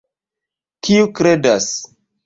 Kiu kredas?